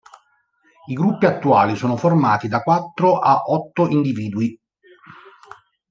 I gruppi attuali sono formati da quattro a otto individui.